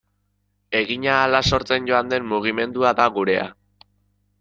Egin ahala sortzen joan den mugimendua da gurea.